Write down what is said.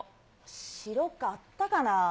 白か、あったかな？